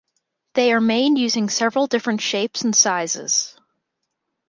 They are made using several different shapes and sizes.